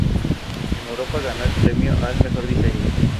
En Europa, ganó el premio al "Mejor Diseño".